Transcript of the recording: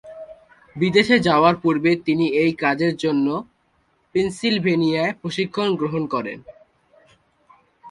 বিদেশ যাওয়ার পূর্বে তিনি এই কাজের জন্য পেন্সিলভেনিয়ায় প্রশিক্ষণ গ্রহণ করেন।